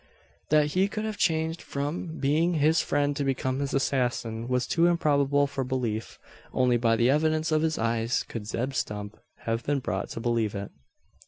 That he could have changed from being his friend to become his assassin, was too improbable for belief. Only by the evidence of his eyes could Zeb Stump have been brought to believe it.